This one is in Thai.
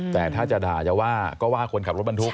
แต่ถ้าจะด่าจะว่าก็ว่าคนขับรถบรรทุก